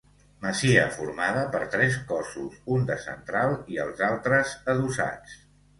Masia formada per tres cossos, un de central i els altres adossats.